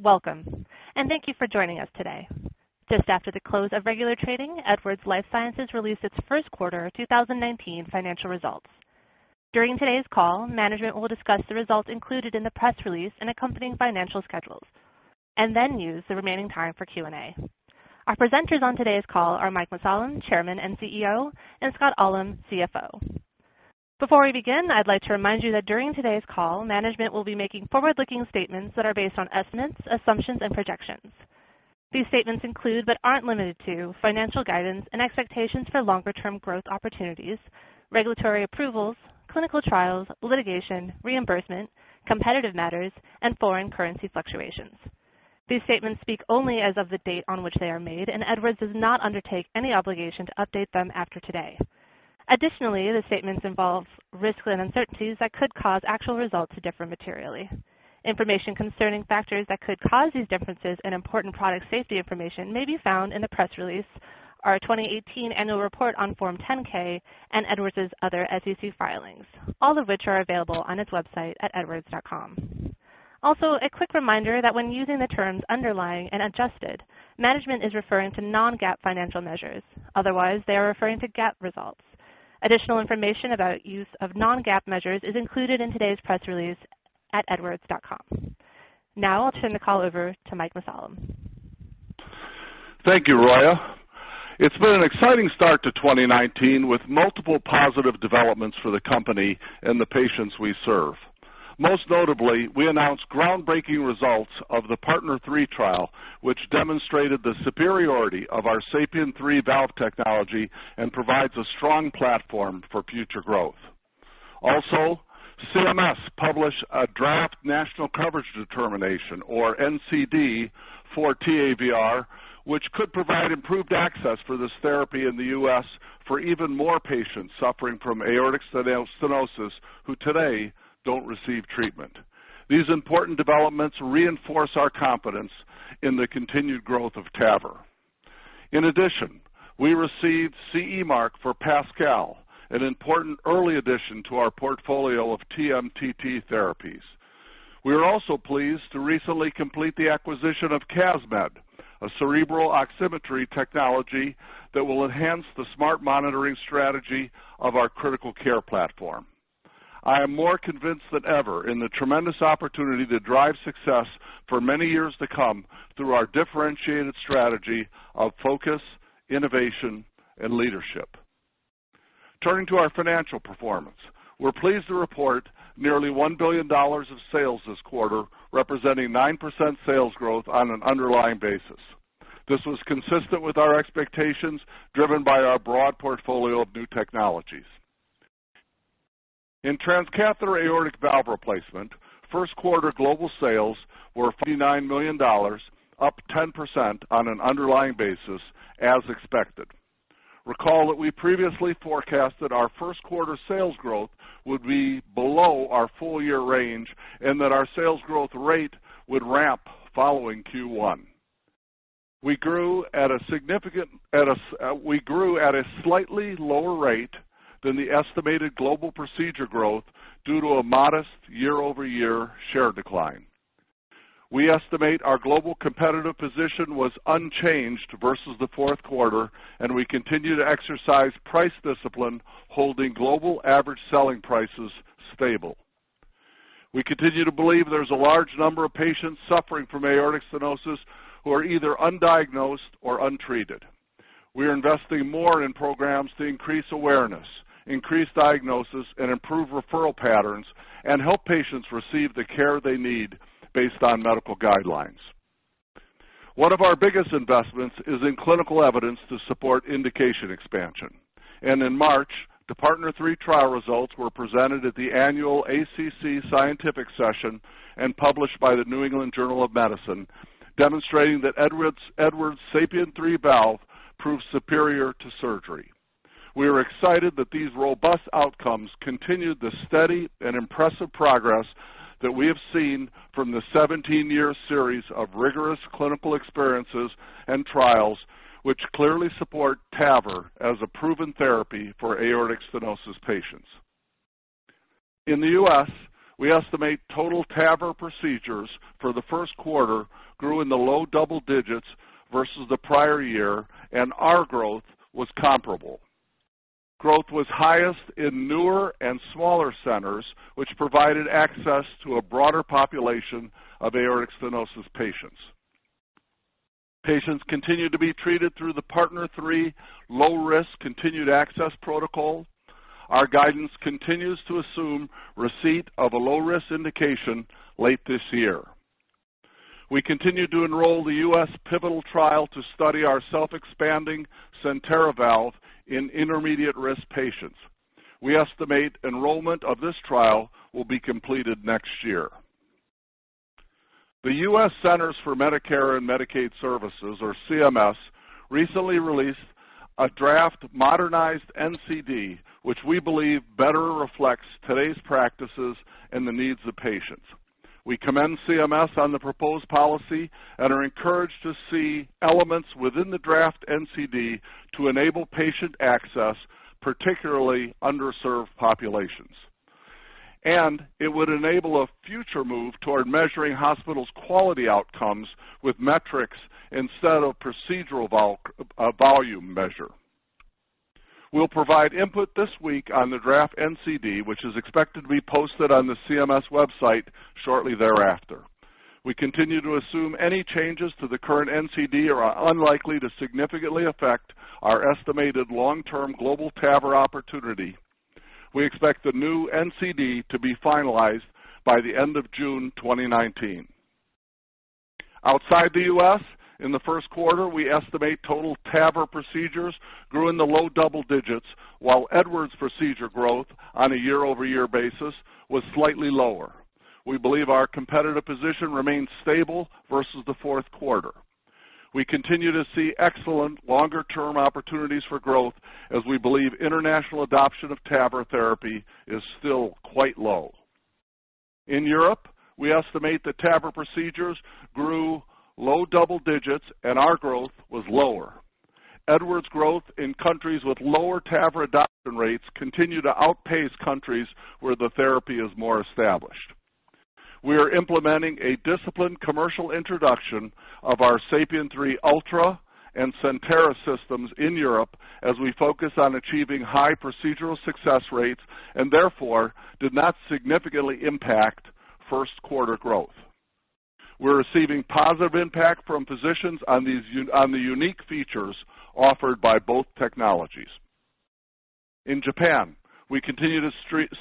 Welcome, and thank you for joining us today. Just after the close of regular trading, Edwards Lifesciences released its first quarter 2019 financial results. During today's call, management will discuss the results included in the press release and accompanying financial schedules and then use the remaining time for Q&A. Our presenters on today's call are Mike Mussallem, Chairman and CEO, and Scott Ullem, CFO. Before we begin, I'd like to remind you that during today's call, management will be making forward-looking statements that are based on estimates, assumptions, and projections. These statements include, but aren't limited to, financial guidance and expectations for longer-term growth opportunities, regulatory approvals, clinical trials, litigation, reimbursement, competitive matters, and foreign currency fluctuations. These statements speak only as of the date on which they are made, and Edwards does not undertake any obligation to update them after today. The statements involve risks and uncertainties that could cause actual results to differ materially. Information concerning factors that could cause these differences and important product safety information may be found in the press release, our 2018 annual report on Form 10-K, and Edwards' other SEC filings, all of which are available on its website at edwards.com. A quick reminder that when using the terms underlying and adjusted, management is referring to non-GAAP financial measures. Otherwise, they are referring to GAAP results. Additional information about use of non-GAAP measures is included in today's press release at edwards.com. I'll turn the call over to Mike Mussallem. Thank you, Roya. It's been an exciting start to 2019 with multiple positive developments for the company and the patients we serve. Most notably, we announced groundbreaking results of the PARTNER 3 trial, which demonstrated the superiority of our SAPIEN 3 valve technology and provides a strong platform for future growth. CMS published a draft national coverage determination, or NCD, for TAVR, which could provide improved access for this therapy in the U.S. for even more patients suffering from aortic stenosis who today don't receive treatment. These important developments reinforce our confidence in the continued growth of TAVR. We received CE mark for PASCAL, an important early addition to our portfolio of TMTT therapies. We are also pleased to recently complete the acquisition of CasMed, a cerebral oximetry technology that will enhance the smart monitoring strategy of our critical care platform. I am more convinced than ever in the tremendous opportunity to drive success for many years to come through our differentiated strategy of focus, innovation, and leadership. Turning to our financial performance, we're pleased to report nearly $1 billion of sales this quarter, representing 9% sales growth on an underlying basis. This was consistent with our expectations, driven by our broad portfolio of new technologies. In transcatheter aortic valve replacement, first quarter global sales were $59 million, up 10% on an underlying basis, as expected. Recall that we previously forecasted our first quarter sales growth would be below our full-year range, and that our sales growth rate would ramp following Q1. We grew at a slightly lower rate than the estimated global procedure growth due to a modest year-over-year share decline. We estimate our global competitive position was unchanged versus the fourth quarter, we continue to exercise price discipline, holding global average selling prices stable. We continue to believe there's a large number of patients suffering from aortic stenosis who are either undiagnosed or untreated. We are investing more in programs to increase awareness, increase diagnosis, improve referral patterns, and help patients receive the care they need based on medical guidelines. One of our biggest investments is in clinical evidence to support indication expansion. In March, the PARTNER 3 trial results were presented at the annual ACC scientific session and published by The New England Journal of Medicine, demonstrating that Edwards' SAPIEN 3 valve proved superior to surgery. We are excited that these robust outcomes continued the steady and impressive progress that we have seen from the 17-year series of rigorous clinical experiences and trials, which clearly support TAVR as a proven therapy for aortic stenosis patients. In the U.S., we estimate total TAVR procedures for the first quarter grew in the low double digits versus the prior year, our growth was comparable. Growth was highest in newer and smaller centers, which provided access to a broader population of aortic stenosis patients. Patients continue to be treated through the PARTNER 3 low-risk continued access protocol. Our guidance continues to assume receipt of a low-risk indication late this year. We continue to enroll the U.S. pivotal trial to study our self-expanding CENTERA valve in intermediate-risk patients. We estimate enrollment of this trial will be completed next year. The U.S. Centers for Medicare & Medicaid Services, or CMS, recently released a draft modernized NCD, which we believe better reflects today's practices and the needs of patients. We commend CMS on the proposed policy and are encouraged to see elements within the draft NCD to enable patient access, particularly underserved populations. It would enable a future move toward measuring hospitals' quality outcomes with metrics instead of procedural volume measure. We'll provide input this week on the draft NCD, which is expected to be posted on the CMS website shortly thereafter. We continue to assume any changes to the current NCD are unlikely to significantly affect our estimated long-term global TAVR opportunity. We expect the new NCD to be finalized by the end of June 2019. Outside the U.S., in the first quarter, we estimate total TAVR procedures grew in the low double digits, while Edwards' procedure growth on a year-over-year basis was slightly lower. We believe our competitive position remains stable versus the fourth quarter. We continue to see excellent longer-term opportunities for growth as we believe international adoption of TAVR therapy is still quite low. In Europe, we estimate that TAVR procedures grew low double digits, our growth was lower. Edwards growth in countries with lower TAVR adoption rates continue to outpace countries where the therapy is more established. We are implementing a disciplined commercial introduction of our SAPIEN 3 Ultra and CENTERA systems in Europe as we focus on achieving high procedural success rates, therefore, did not significantly impact first quarter growth. We're receiving positive impact from physicians on the unique features offered by both technologies. In Japan, we continue to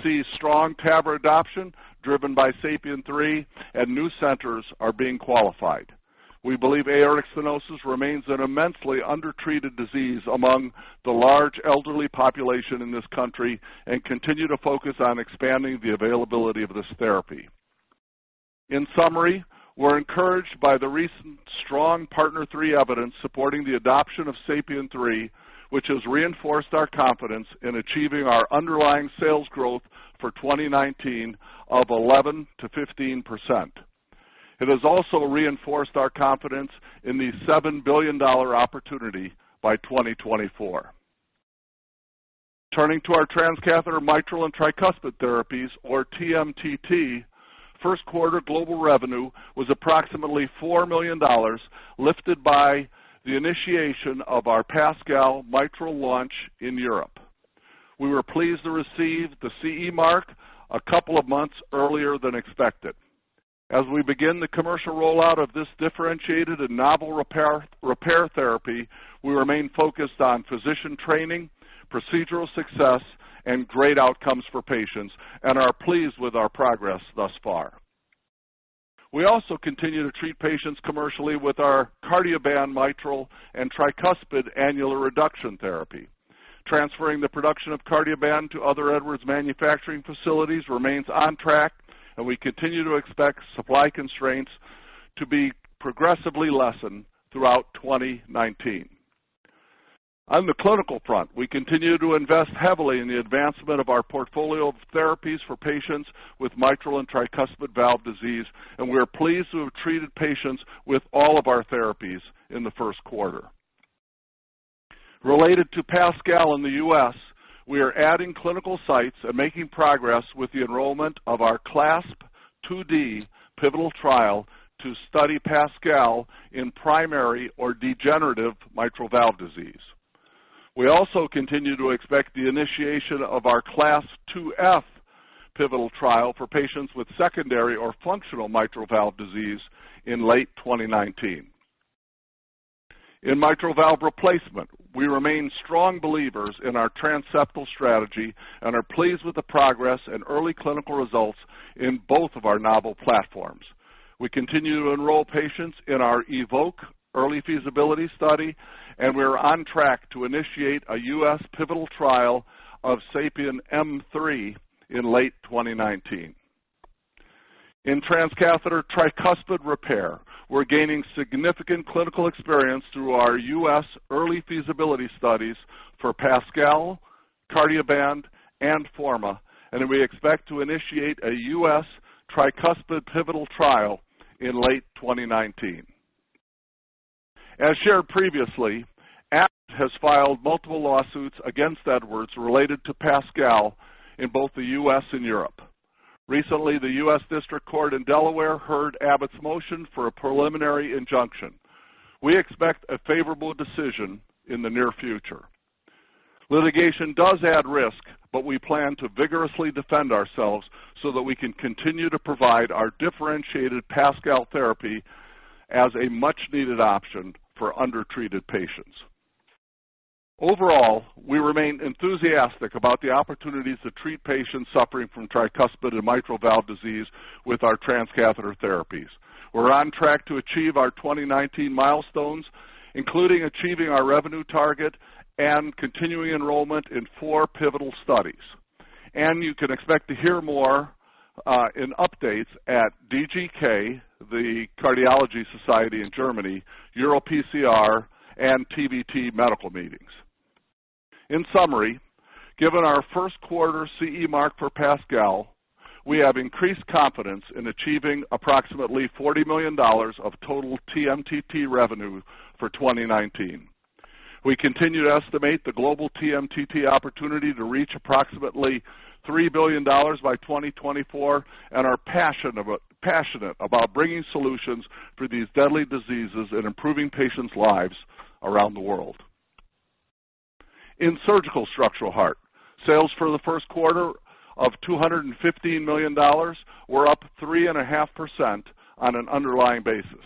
see strong TAVR adoption driven by SAPIEN 3, new centers are being qualified. We believe aortic stenosis remains an immensely undertreated disease among the large elderly population in this country and continue to focus on expanding the availability of this therapy. In summary, we are encouraged by the recent strong PARTNER 3 evidence supporting the adoption of SAPIEN 3, which has reinforced our confidence in achieving our underlying sales growth for 2019 of 11%-15%. It has also reinforced our confidence in the $7 billion opportunity by 2024. Turning to our transcatheter mitral and tricuspid therapies, or TMTT, first quarter global revenue was approximately $4 million, lifted by the initiation of our PASCAL mitral launch in Europe. We were pleased to receive the CE mark a couple of months earlier than expected. As we begin the commercial rollout of this differentiated and novel repair therapy, we remain focused on physician training, procedural success, and great outcomes for patients and are pleased with our progress thus far. We also continue to treat patients commercially with our Cardioband mitral and tricuspid annular reduction therapy. Transferring the production of Cardioband to other Edwards manufacturing facilities remains on track, we continue to expect supply constraints to be progressively lessened throughout 2019. On the clinical front, we continue to invest heavily in the advancement of our portfolio of therapies for patients with mitral and tricuspid valve disease, we are pleased to have treated patients with all of our therapies in the first quarter. Related to PASCAL in the U.S., we are adding clinical sites and making progress with the enrollment of our CLASP IID pivotal trial to study PASCAL in primary or degenerative mitral valve disease. We also continue to expect the initiation of our CLASP IIF pivotal trial for patients with secondary or functional mitral valve disease in late 2019. In mitral valve replacement, we remain strong believers in our transseptal strategy and are pleased with the progress and early clinical results in both of our novel platforms. We continue to enroll patients in our EVOQUE early feasibility study, we are on track to initiate a U.S. pivotal trial of SAPIEN M3 in late 2019. In transcatheter tricuspid repair, we are gaining significant clinical experience through our U.S. early feasibility studies for PASCAL, Cardioband, and FORMA, we expect to initiate a U.S. tricuspid pivotal trial in late 2019. As shared previously, Abbott has filed multiple lawsuits against Edwards related to PASCAL in both the U.S. and Europe. Recently, the U.S. District Court in Delaware heard Abbott's motion for a preliminary injunction. We expect a favorable decision in the near future. Litigation does add risk, we plan to vigorously defend ourselves so that we can continue to provide our differentiated PASCAL therapy as a much-needed option for undertreated patients. Overall, we remain enthusiastic about the opportunities to treat patients suffering from tricuspid and mitral valve disease with our transcatheter therapies. We are on track to achieve our 2019 milestones, including achieving our revenue target and continuing enrollment in four pivotal studies. You can expect to hear more in updates at DGK, the Cardiology Society in Germany, EuroPCR, and TVT medical meetings. In summary, given our first quarter CE mark for PASCAL, we have increased confidence in achieving approximately $40 million of total TMTT revenue for 2019. We continue to estimate the global TMTT opportunity to reach approximately $3 billion by 2024 and are passionate about bringing solutions for these deadly diseases and improving patients' lives around the world. In surgical structural heart, sales for the first quarter of $215 million were up 3.5% on an underlying basis.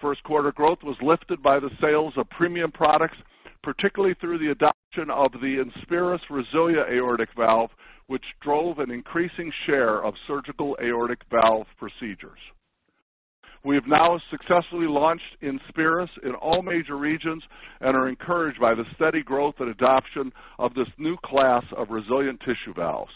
First quarter growth was lifted by the sales of premium products, particularly through the adoption of the INSPIRIS RESILIA aortic valve, which drove an increasing share of surgical aortic valve procedures. We have now successfully launched INSPIRIS in all major regions and are encouraged by the steady growth and adoption of this new class of RESILIA tissue valves.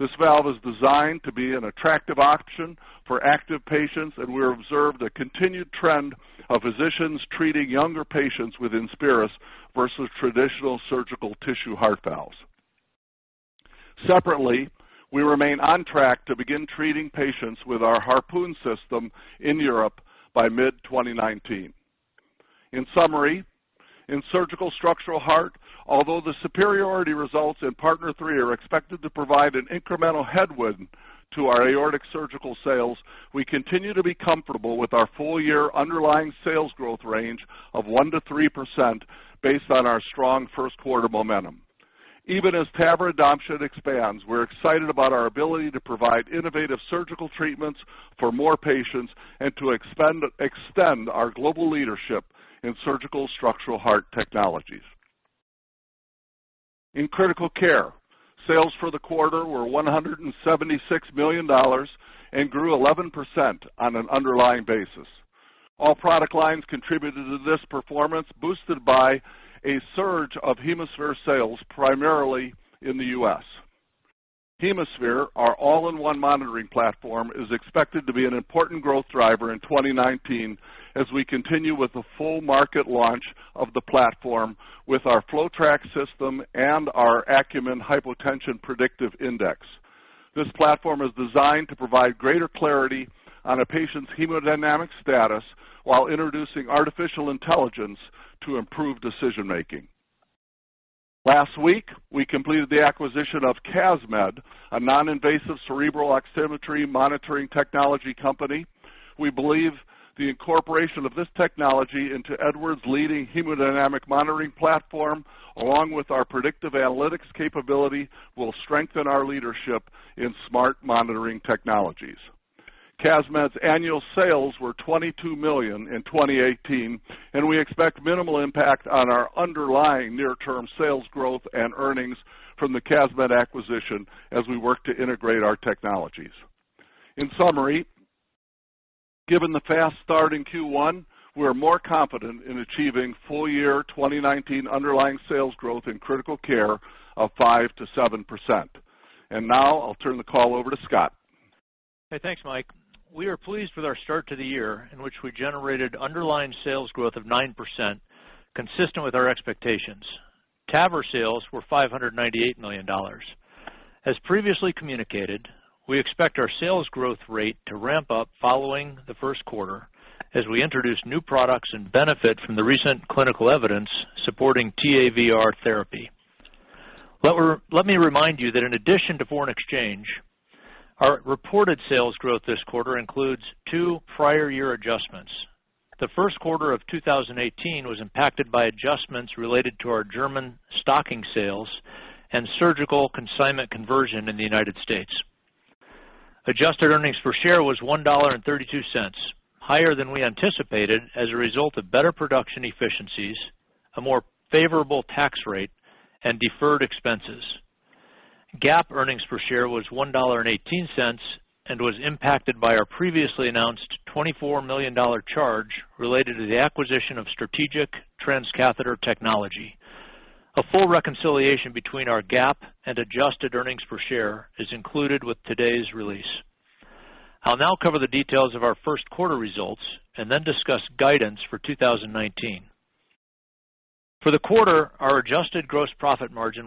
This valve is designed to be an attractive option for active patients, and we observed a continued trend of physicians treating younger patients with INSPIRIS versus traditional surgical tissue heart valves. Separately, we remain on track to begin treating patients with our Harpoon system in Europe by mid-2019. In summary, in surgical structural heart, although the superiority results in PARTNER 3 are expected to provide an incremental headwind to our aortic surgical sales, we continue to be comfortable with our full-year underlying sales growth range of 1%-3% based on our strong first quarter momentum. Even as TAVR adoption expands, we're excited about our ability to provide innovative surgical treatments for more patients and to extend our global leadership in surgical structural heart technologies. In critical care, sales for the quarter were $176 million and grew 11% on an underlying basis. All product lines contributed to this performance, boosted by a surge of HemoSphere sales, primarily in the U.S. HemoSphere, our all-in-one monitoring platform, is expected to be an important growth driver in 2019 as we continue with the full market launch of the platform with our FloTrac system and our Acumen Hypotension Prediction Index. This platform is designed to provide greater clarity on a patient's hemodynamic status while introducing artificial intelligence to improve decision-making. Last week, we completed the acquisition of CasMed, a non-invasive cerebral oximetry monitoring technology company. We believe the incorporation of this technology into Edwards' leading hemodynamic monitoring platform, along with our predictive analytics capability, will strengthen our leadership in smart monitoring technologies. CasMed's annual sales were $22 million in 2018, and we expect minimal impact on our underlying near-term sales growth and earnings from the CasMed acquisition as we work to integrate our technologies. In summary, given the fast start in Q1, we are more confident in achieving full-year 2019 underlying sales growth in critical care of 5%-7%. Now I'll turn the call over to Scott. Hey, thanks, Mike. We are pleased with our start to the year in which we generated underlying sales growth of 9%, consistent with our expectations. TAVR sales were $598 million. As previously communicated, we expect our sales growth rate to ramp up following the first quarter as we introduce new products and benefit from the recent clinical evidence supporting TAVR therapy. Let me remind you that in addition to foreign exchange, our reported sales growth this quarter includes two prior year adjustments. The first quarter of 2018 was impacted by adjustments related to our German stocking sales and surgical consignment conversion in the United States. Adjusted earnings per share was $1.32, higher than we anticipated as a result of better production efficiencies, a more favorable tax rate, and deferred expenses. GAAP earnings per share was $1.18 and was impacted by our previously announced $24 million charge related to the acquisition of strategic transcatheter technology. A full reconciliation between our GAAP and adjusted earnings per share is included with today's release. I'll now cover the details of our first quarter results and then discuss guidance for 2019. For the quarter, our adjusted gross profit margin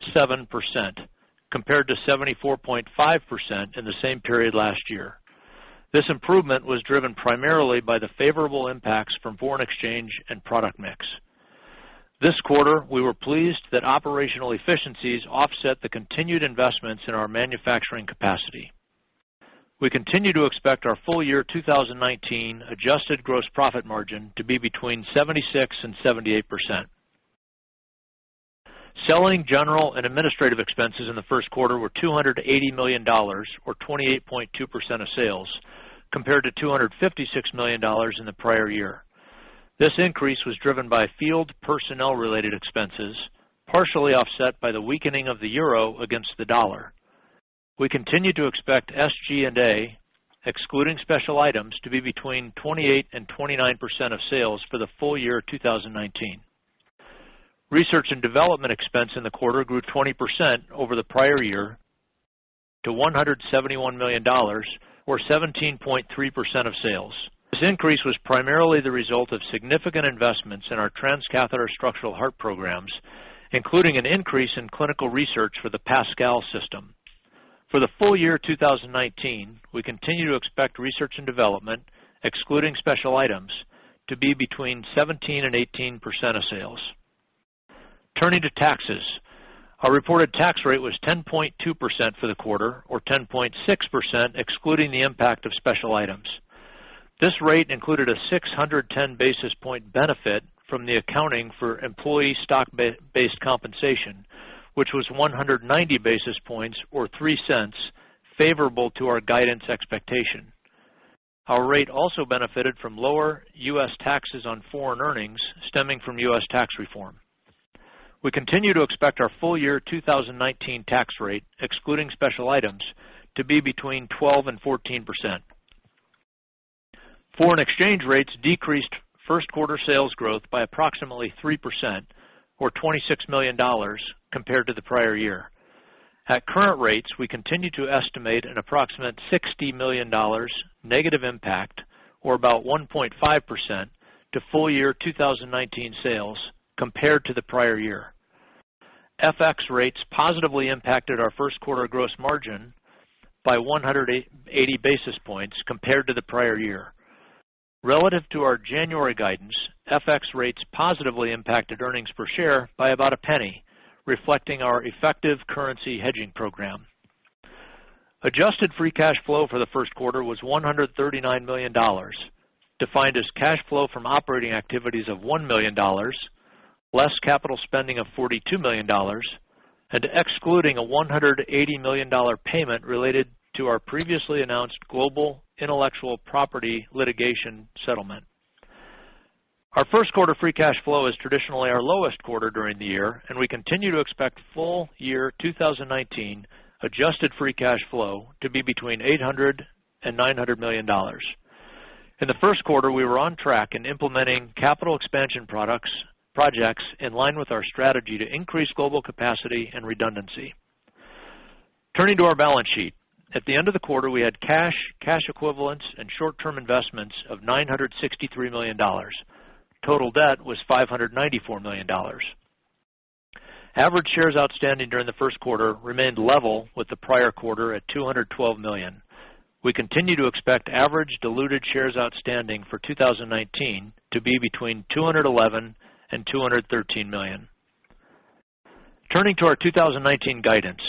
was 76.7% compared to 74.5% in the same period last year. This improvement was driven primarily by the favorable impacts from foreign exchange and product mix. This quarter, we were pleased that operational efficiencies offset the continued investments in our manufacturing capacity. We continue to expect our full-year 2019 adjusted gross profit margin to be between 76% and 78%. Selling, general, and administrative expenses in the first quarter were $280 million or 28.2% of sales, compared to $256 million in the prior year. This increase was driven by field personnel-related expenses, partially offset by the weakening of the euro against the dollar. We continue to expect SG&A, excluding special items, to be between 28% and 29% of sales for the full year 2019. Research and development expense in the quarter grew 20% over the prior year to $171 million, or 17.3% of sales. This increase was primarily the result of significant investments in our transcatheter structural heart programs, including an increase in clinical research for the PASCAL system. For the full year 2019, we continue to expect research and development, excluding special items, to be between 17% and 18% of sales. Turning to taxes, our reported tax rate was 10.2% for the quarter, or 10.6% excluding the impact of special items. This rate included a 610-basis point benefit from the accounting for employee stock-based compensation, which was 190 basis points, or $0.03, favorable to our guidance expectation. Our rate also benefited from lower U.S. taxes on foreign earnings stemming from U.S. tax reform. We continue to expect our full-year 2019 tax rate, excluding special items, to be between 12% and 14%. Foreign exchange rates decreased first quarter sales growth by approximately 3%, or $26 million compared to the prior year. At current rates, we continue to estimate an approximate $60 million negative impact, or about 1.5%, to full-year 2019 sales compared to the prior year. FX rates positively impacted our first quarter gross margin by 180 basis points compared to the prior year. Relative to our January guidance, FX rates positively impacted earnings per share by about $0.01, reflecting our effective currency hedging program. Adjusted free cash flow for the first quarter was $139 million, defined as cash flow from operating activities of $1 million, less capital spending of $42 million, and excluding a $180 million payment related to our previously announced global intellectual property litigation settlement. Our first quarter free cash flow is traditionally our lowest quarter during the year, and we continue to expect full-year 2019 adjusted free cash flow to be between $800 million and $900 million. In the first quarter, we were on track in implementing capital expansion projects in line with our strategy to increase global capacity and redundancy. Turning to our balance sheet. At the end of the quarter, we had cash equivalents, and short-term investments of $963 million. Total debt was $594 million. Average shares outstanding during the first quarter remained level with the prior quarter at 212 million. We continue to expect average diluted shares outstanding for 2019 to be between 211 million and 213 million. Turning to our 2019 guidance.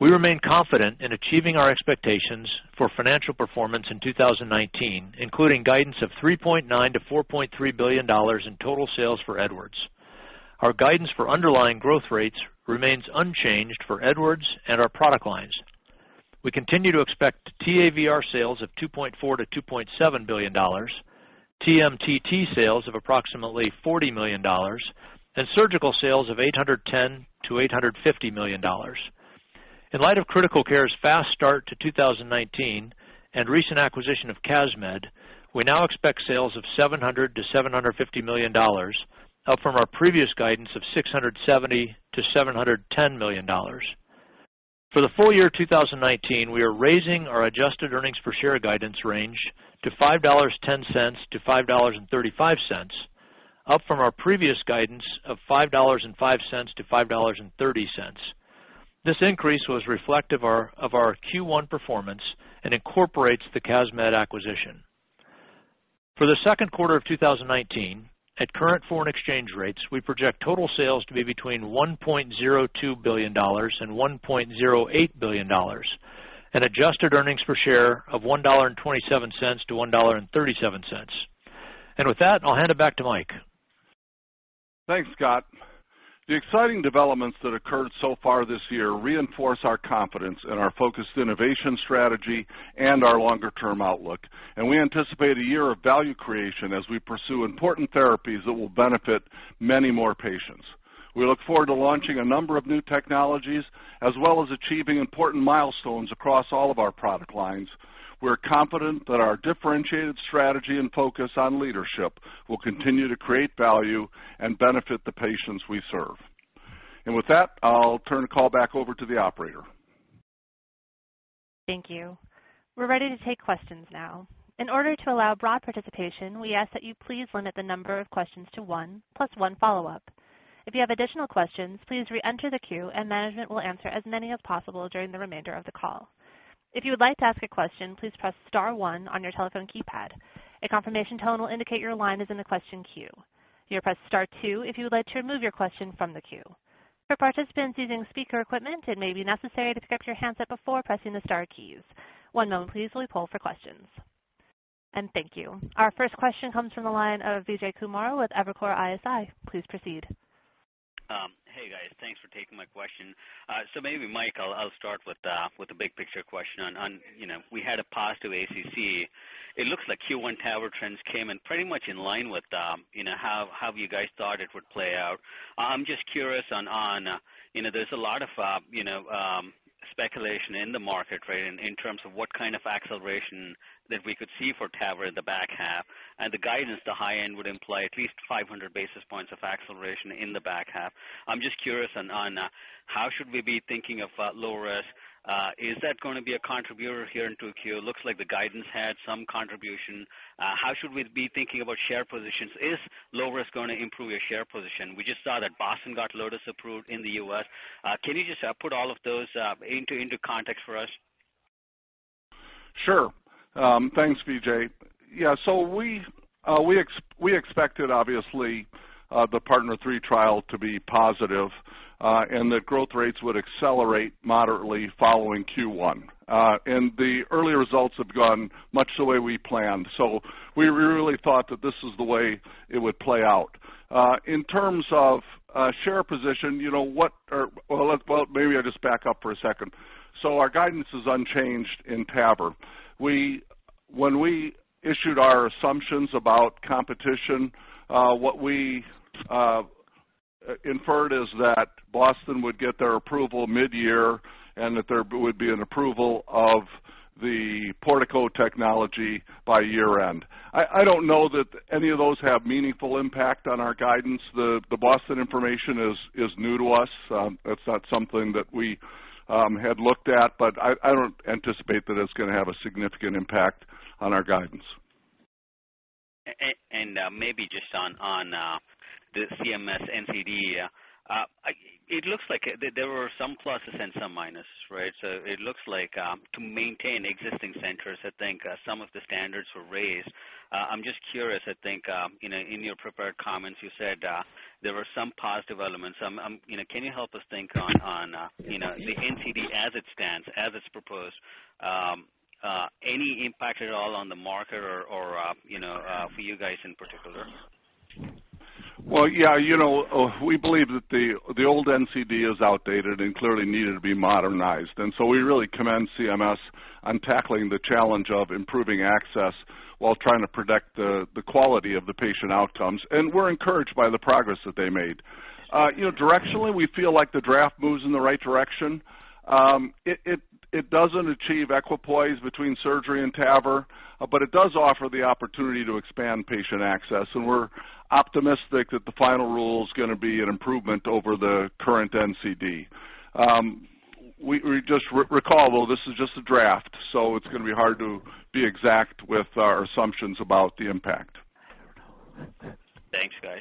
We remain confident in achieving our expectations for financial performance in 2019, including guidance of $3.9 billion-$4.3 billion in total sales for Edwards. Our guidance for underlying growth rates remains unchanged for Edwards and our product lines. We continue to expect TAVR sales of $2.4 billion-$2.7 billion, TMTT sales of approximately $40 million, and surgical sales of $810 million-$850 million. In light of Critical Care's fast start to 2019 and recent acquisition of CASMed, we now expect sales of $700 million-$750 million, up from our previous guidance of $670 million-$710 million. For the full year 2019, we are raising our adjusted earnings per share guidance range to $5.10-$5.35, up from our previous guidance of $5.05-$5.30. This increase was reflective of our Q1 performance and incorporates the CASMed acquisition. For the second quarter of 2019, at current foreign exchange rates, we project total sales to be between $1.02 billion and $1.08 billion, and adjusted earnings per share of $1.27-$1.37. With that, I'll hand it back to Mike. Thanks, Scott. The exciting developments that occurred so far this year reinforce our confidence in our focused innovation strategy and our longer-term outlook. We anticipate a year of value creation as we pursue important therapies that will benefit many more patients. We look forward to launching a number of new technologies as well as achieving important milestones across all of our product lines. We're confident that our differentiated strategy and focus on leadership will continue to create value and benefit the patients we serve. With that, I'll turn the call back over to the operator. Thank you. We're ready to take questions now. In order to allow broad participation, we ask that you please limit the number of questions to one, plus one follow-up. If you have additional questions, please re-enter the queue and management will answer as many as possible during the remainder of the call. If you would like to ask a question, please press star one on your telephone keypad. A confirmation tone will indicate your line is in the question queue. You'll press star two if you would like to remove your question from the queue. For participants using speaker equipment, it may be necessary to press your handset before pressing the star keys. One moment please while we poll for questions. Thank you. Our first question comes from the line of Vijay Kumar with Evercore ISI. Please proceed. Hey, guys. Thanks for taking my question. Maybe, Mike, I'll start with a big picture question on, we had a positive ACC. It looks like Q1 TAVR trends came in pretty much in line with how you guys thought it would play out. I'm just curious on, there's a lot of speculation in the market, right, in terms of what kind of acceleration that we could see for TAVR in the back half, the guidance, the high end would imply at least 500 basis points of acceleration in the back half. I'm just curious on how should we be thinking of low-risk? Is that going to be a contributor here in 2Q? It looks like the guidance had some contribution. How should we be thinking about share positions? Is low-risk going to improve your share position? We just saw that Boston got Lotus approved in the U.S. Can you just put all of those into context for us? Sure. Thanks, Vijay. Yeah. We expected, obviously, the PARTNER 3 trial to be positive and that growth rates would accelerate moderately following Q1. The early results have gone much the way we planned. We really thought that this was the way it would play out. In terms of share position, well, maybe I'll just back up for a second. Our guidance is unchanged in TAVR. When we issued our assumptions about competition, what we inferred is that Boston would get their approval mid-year and that there would be an approval of the Portico technology by year-end. I don't know that any of those have a meaningful impact on our guidance. The Boston information is new to us. It's not something that we had looked at, I don't anticipate that it's going to have a significant impact on our guidance. Maybe just on the CMS NCD, it looks like there were some pluses and some minuses, right? It looks like to maintain existing centers, I think some of the standards were raised. I'm just curious, I think in your prepared comments, you said there were some positive elements. Can you help us think on the NCD as it stands, as it's proposed, any impact at all on the market or for you guys in particular? Well, yeah. We believe that the old NCD is outdated and clearly needed to be modernized. We really commend CMS on tackling the challenge of improving access while trying to protect the quality of the patient outcomes. We're encouraged by the progress that they made. Directionally, we feel like the draft moves in the right direction. It doesn't achieve equipoise between surgery and TAVR, it does offer the opportunity to expand patient access, we're optimistic that the final rule is going to be an improvement over the current NCD. Just recall, though, this is just a draft, it's going to be hard to be exact with our assumptions about the impact. Thanks, guys.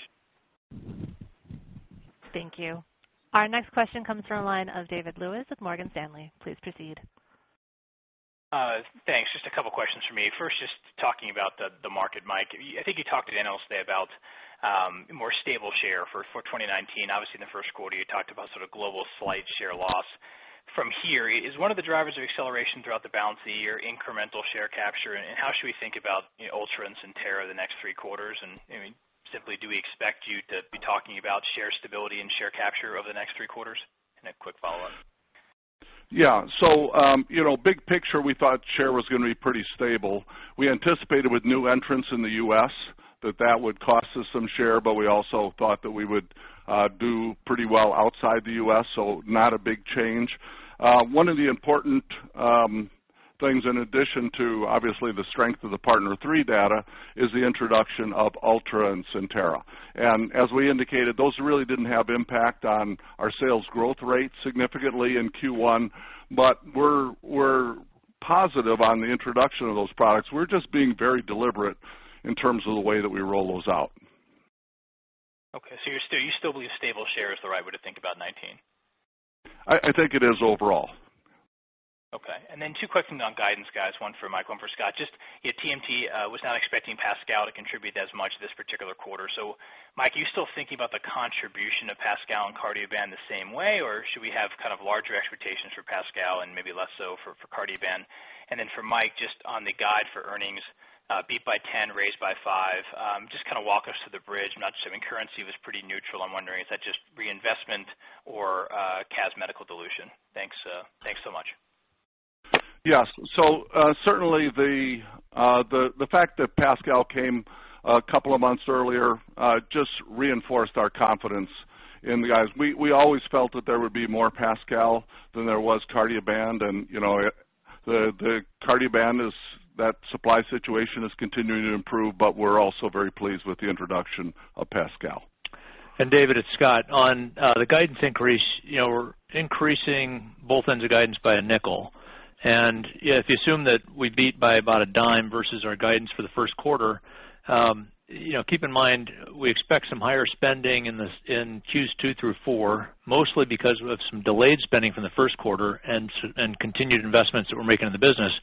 Thank you. Our next question comes from the line of David Lewis with Morgan Stanley. Please proceed. Thanks. Just a couple of questions for me. First, just talking about the market, Mike, I think you talked to analysts today about more stable share for 2019. Obviously, in the first quarter, you talked about sort of global slight share loss. From here, is one of the drivers of acceleration throughout the balance of the year incremental share capture, and how should we think about Ultra and CENTERA the next three quarters? Simply, do we expect you to be talking about share stability and share capture over the next three quarters? A quick follow-up. Yeah. Big picture, we thought share was going to be pretty stable. We anticipated with new entrants in the U.S. that that would cost us some share, but we also thought that we would do pretty well outside the U.S., not a big change. One of the important things, in addition to obviously the strength of the PARTNER 3 data, is the introduction of Ultra and CENTERA. As we indicated, those really didn't have impact on our sales growth rate significantly in Q1. We're positive on the introduction of those products. We're just being very deliberate in terms of the way that we roll those out. Okay. You still believe stable share is the right way to think about 2019? I think it is overall. Okay. Two questions on guidance, guys. One for Mike, one for Scott. TMT was not expecting PASCAL to contribute as much this particular quarter. Mike, are you still thinking about the contribution of PASCAL and Cardioband the same way, or should we have kind of larger expectations for PASCAL and maybe less so for Cardioband? For Mike, on the guide for earnings, beat by $0.10, raised by $0.05. Walk us through the bridge. I'm not assuming currency was pretty neutral. I'm wondering, is that reinvestment or CAS Medical dilution? Thanks so much. Yes. Certainly the fact that PASCAL came a couple of months earlier reinforced our confidence in the guys. We always felt that there would be more PASCAL than there was Cardioband, and the Cardioband supply situation is continuing to improve, but we're also very pleased with the introduction of PASCAL. David, it's Scott. On the guidance increase, we're increasing both ends of guidance by $0.05. If you assume that we beat by about $0.10 versus our guidance for the first quarter, keep in mind, we expect some higher spending in Q2 through 4, mostly because we have some delayed spending from the first quarter and continued investments that we're making in the business.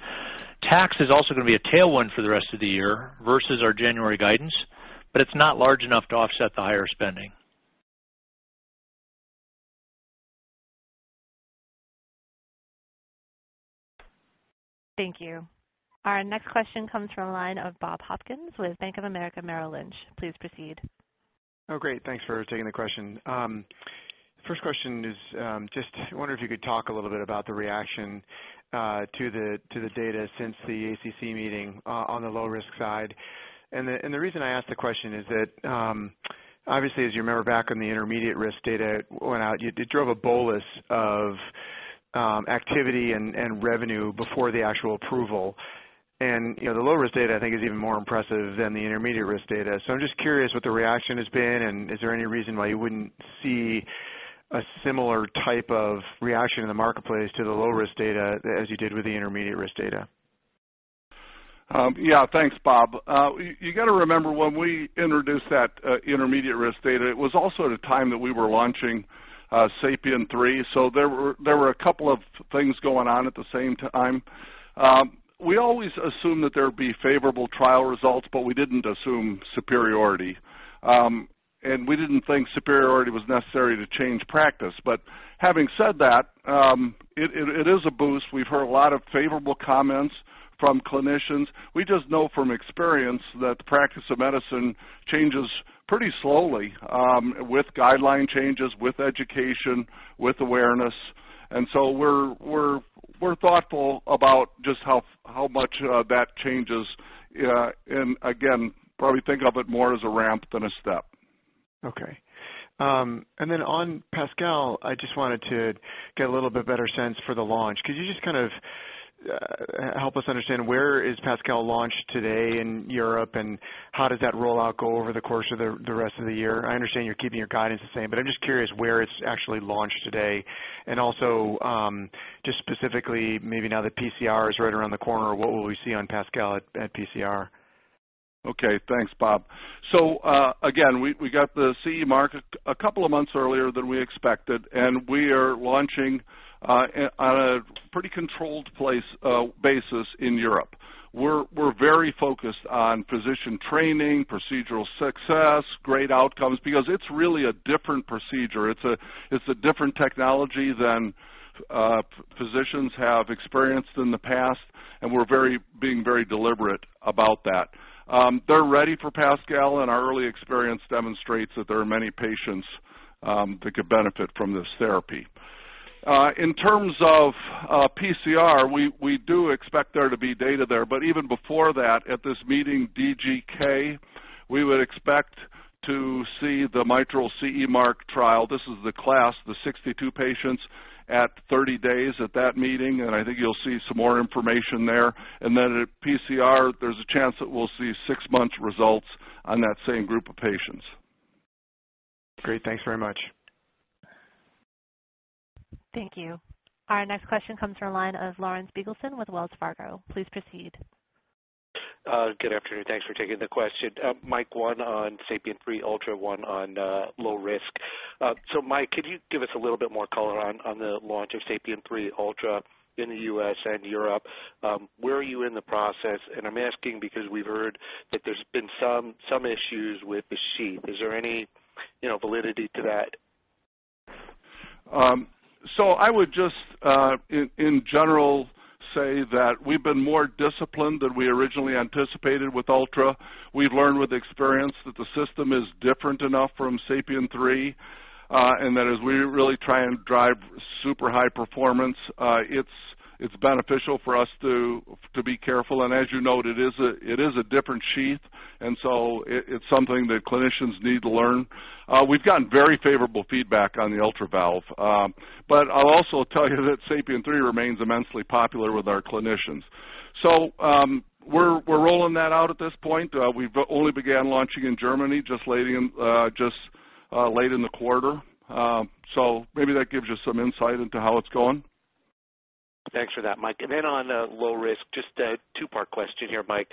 Tax is also going to be a tailwind for the rest of the year versus our January guidance, but it's not large enough to offset the higher spending. Thank you. Our next question comes from the line of Bob Hopkins with Bank of America Merrill Lynch. Please proceed. Oh, great. Thanks for taking the question. First question is just wondering if you could talk a little bit about the reaction to the data since the ACC meeting on the low-risk side. The reason I ask the question is that obviously, as you remember back when the intermediate risk data went out, it drove a bolus of activity and revenue before the actual approval. The low-risk data, I think, is even more impressive than the intermediate risk data. I'm just curious what the reaction has been, and is there any reason why you wouldn't see a similar type of reaction in the marketplace to the low-risk data as you did with the intermediate risk data? Yeah. Thanks, Bob. You got to remember when we introduced that intermediate-risk data, it was also at a time that we were launching SAPIEN 3. There were a couple of things going on at the same time. We always assumed that there would be favorable trial results, but we didn't assume superiority. We didn't think superiority was necessary to change practice. Having said that, it is a boost. We've heard a lot of favorable comments from clinicians. We just know from experience that the practice of medicine changes pretty slowly, with guideline changes, with education, with awareness. We're thoughtful about just how much that changes. Again, probably think of it more as a ramp than a step. Okay. On PASCAL, I just wanted to get a little bit better sense for the launch. Could you just help us understand where is PASCAL launched today in Europe, and how does that rollout go over the course of the rest of the year? I understand you're keeping your guidance the same, but I'm just curious where it's actually launched today. Also, just specifically, maybe now that PCR is right around the corner, what will we see on PASCAL at PCR? Okay. Thanks, Bob. Again, we got the CE mark a couple of months earlier than we expected, and we are launching on a pretty controlled basis in Europe. We're very focused on physician training, procedural success, great outcomes, because it's really a different procedure. It's a different technology than physicians have experienced in the past, and we're being very deliberate about that. They're ready for PASCAL, and our early experience demonstrates that there are many patients that could benefit from this therapy. In terms of PCR, we do expect there to be data there, but even before that, at this meeting, DGK, we would expect to see the mitral CE mark trial. This is the class, the 62 patients at 30 days at that meeting, and I think you'll see some more information there. At PCR, there's a chance that we'll see six-month results on that same group of patients. Great. Thanks very much. Thank you. Our next question comes from the line of Larry Biegelsen with Wells Fargo. Please proceed. Good afternoon. Thanks for taking the question. Mike, one on SAPIEN 3 Ultra, one on low risk. Mike, could you give us a little bit more color on the launch of SAPIEN 3 Ultra in the U.S. and Europe? Where are you in the process? I'm asking because we've heard that there's been some issues with the sheath. Is there any validity to that? I would just, in general, say that we've been more disciplined than we originally anticipated with Ultra. We've learned with experience that the system is different enough from SAPIEN 3, that as we really try and drive super high performance, it's beneficial for us to be careful. As you note, it is a different sheath, so it's something that clinicians need to learn. We've gotten very favorable feedback on the Ultra valve. I'll also tell you that SAPIEN 3 remains immensely popular with our clinicians. We're rolling that out at this point. We've only began launching in Germany just late in the quarter. Maybe that gives you some insight into how it's going. Thanks for that, Mike. On low risk, just a two-part question here, Mike.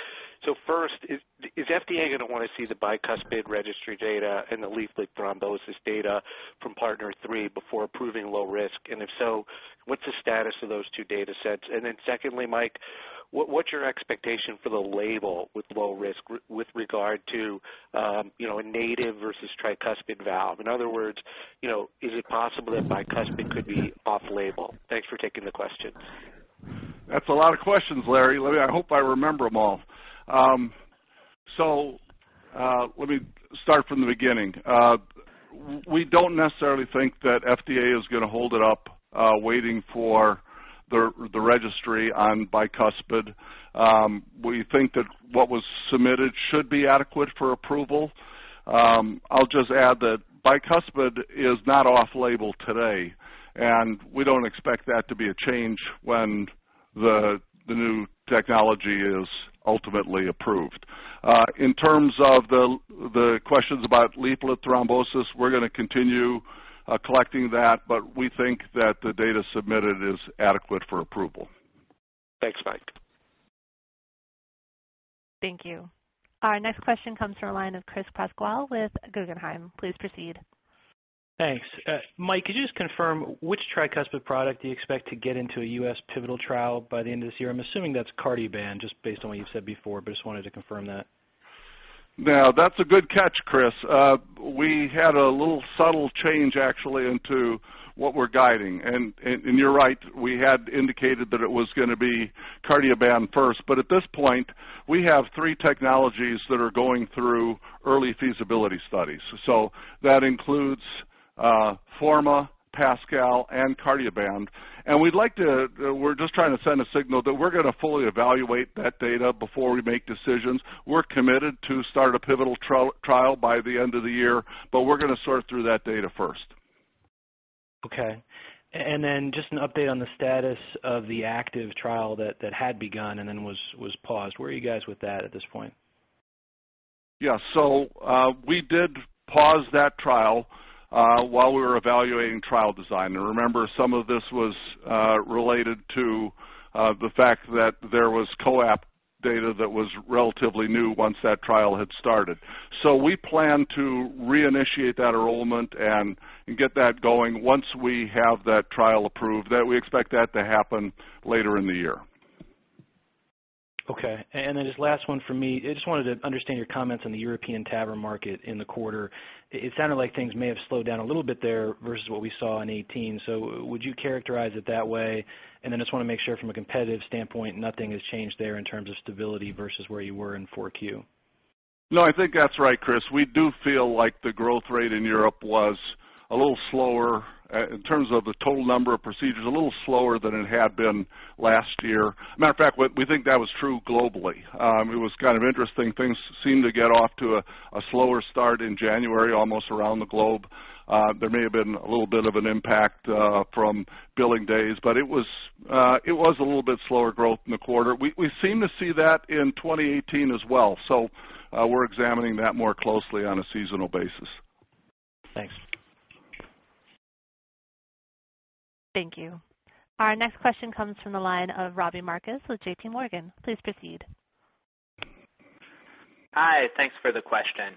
First, is FDA going to want to see the bicuspid registry data and the leaflet thrombosis data from PARTNER 3 before approving low risk? If so, what's the status of those two data sets? Secondly, Mike, what's your expectation for the label with low risk with regard to a native versus tricuspid valve? In other words, is it possible that bicuspid could be off-label? Thanks for taking the question. That's a lot of questions, Larry. Larry, I hope I remember them all. Let me start from the beginning. We don't necessarily think that FDA is going to hold it up waiting for the registry on bicuspid. We think that what was submitted should be adequate for approval. I'll just add that bicuspid is not off-label today, we don't expect that to be a change when the new technology is ultimately approved. In terms of the questions about leaflet thrombosis, we're going to continue collecting that, we think that the data submitted is adequate for approval. Thanks, Mike. Thank you. Our next question comes from the line of Chris Pasquale with Guggenheim. Please proceed. Thanks. Mike, could you just confirm which tricuspid product do you expect to get into a U.S. pivotal trial by the end of this year? I'm assuming that's Cardioband just based on what you've said before, just wanted to confirm that. That's a good catch, Chris. We had a little subtle change actually into what we're guiding. You're right, we had indicated that it was going to be Cardioband first. At this point, we have three technologies that are going through early feasibility studies. That includes FORMA, PASCAL, and Cardioband. We're just trying to send a signal that we're going to fully evaluate that data before we make decisions. We're committed to start a pivotal trial by the end of the year, we're going to sort through that data first. Okay. Just an update on the status of the active trial that had begun and then was paused. Where are you guys with that at this point? We did pause that trial while we were evaluating trial design. Remember, some of this was related to the fact that there was COAPT data that was relatively new once that trial had started. We plan to reinitiate that enrollment and get that going once we have that trial approved. We expect that to happen later in the year. Okay. This last one for me, I just wanted to understand your comments on the European TAVR market in the quarter. It sounded like things may have slowed down a little bit there versus what we saw in 2018. Would you characterize it that way? I just want to make sure from a competitive standpoint, nothing has changed there in terms of stability versus where you were in 4Q. No, I think that's right, Chris. We do feel like the growth rate in Europe was a little slower, in terms of the total number of procedures, a little slower than it had been last year. Matter of fact, we think that was true globally. It was kind of interesting. Things seemed to get off to a slower start in January, almost around the globe. There may have been a little bit of an impact from billing days, it was a little bit slower growth in the quarter. We seem to see that in 2018 as well, we're examining that more closely on a seasonal basis. Thanks. Thank you. Our next question comes from the line of Robbie Marcus with JPMorgan. Please proceed. Hi, thanks for the question.